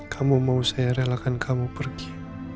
kamu mau saya relakan kamu pergi